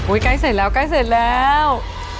อุ้ยใกล้เสร็จแล้ว